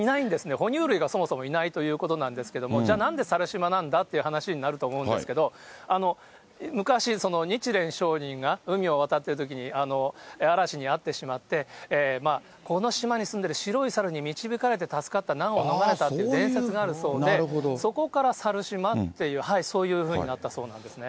哺乳類がそもそもいないということなんですけれども、じゃあなんで猿島なんだっていう話になると思うんですけど、昔、日蓮上人が海を渡ってるときに、嵐に遭ってしまって、この島に住んでる白い猿に導かれて助かった、難を逃れたって伝説があるそうで、そこから猿島っていう、そういうふうになったそうなんですね。